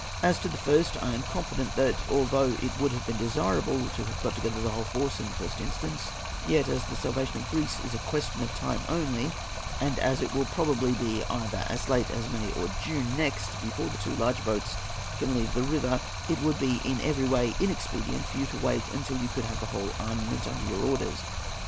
As to the first, I am confident that, although it would have been desirable to have got together the whole force in the first instance, yet, as the salvation of Greece is a question of time only, and as it will be probably so late either as May or June next before the two larger boats can leave the river, it would be in every way inexpedient for you to wait until you could have the whole armament under your orders.